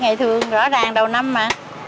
ngày thường rõ ràng đầu năm mà